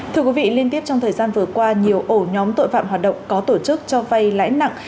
thưa quý vị liên tiếp trong thời gian vừa qua nhiều ổ nhóm tội phạm hoạt động có tổ chức cho vay lãi nặng